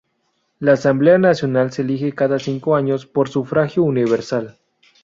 La Asamblea Nacional se elige cada cinco años por sufragio universal.